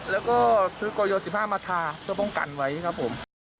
แล้วก็ซื้อกอย๑๕มาทาเพื่อป้องกันไว้ครับผม